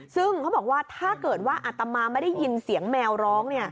ซึ่งเขาบอกว่าถ้าเกิดว่าอัตมาไม่ได้ยินเสียงแมวร้อง